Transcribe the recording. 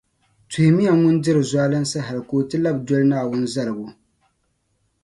Tuhimi ya ŋun diri zualinsi hali ka o ti labi doli Naawuni zaligu.